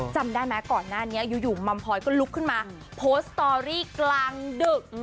จำได้ไหมก่อนหน้านี้อยู่มัมพลอยก็ลุกขึ้นมาโพสต์สตอรี่กลางดึก